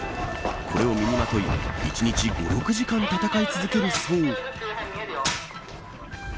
これを身にまとい１日５６時間戦い続けるそう。